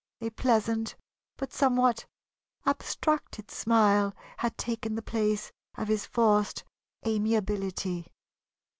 A pleasant but somewhat abstracted smile had taken the place of his forced amiability.